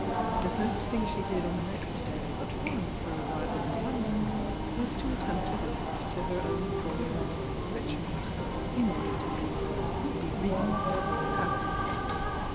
The first thing she did on the next day but one of her arrival m London was to attempt a visit to her own former old home m Richmond, in order to see her "bereaved parents.